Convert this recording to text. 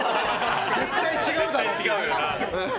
絶対違うだろう。